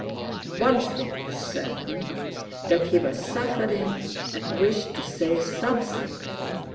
One thing was certain—that he was suffering and wished to say something.